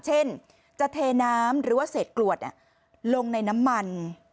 เช่นจะเทน้ำหรือว่าเศษกรวดลงในน้ำมัน